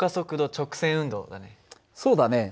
そうだね。